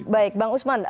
baik bang usman